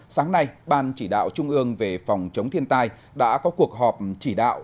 sáng nay ban chỉ đạo trung ương về phòng chống thiên tai đã có cuộc họp chỉ đạo